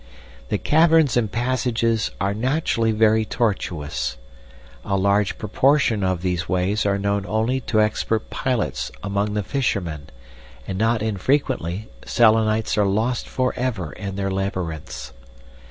"The caverns and passages are naturally very tortuous. A large proportion of these ways are known only to expert pilots among the fishermen, and not infrequently Selenites are lost for ever in their labyrinths.